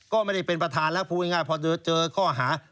ก็ไม่ได้เป็นประธานแล้วพูดง่ายพอเจอข้อหา